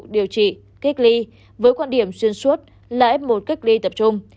điều trị kích ly với quan điểm xuyên suốt là f một kích ly tập trung